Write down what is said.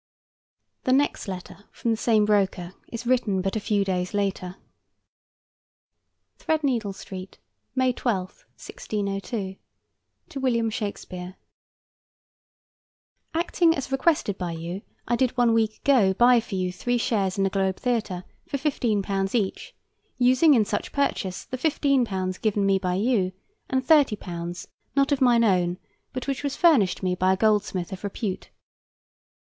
The next letter, from the same broker, is written but a few days later. THREADNEEDLE STREET, May 12, 1602. To WILLIAM SHAKESPEARE: Acting as requested by you, I did one week ago buy for you three shares in the Globe Theatre for £15 each, using in such purchase the £15 given me by you, and £30, not of mine own, but which was furnished me by a goldsmith of repute.